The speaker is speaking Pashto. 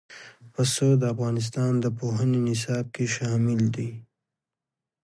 پسه د افغانستان د پوهنې نصاب کې شامل دي.